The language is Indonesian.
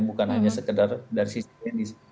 bukan hanya sekedar dari sisi medis